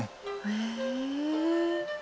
へえ。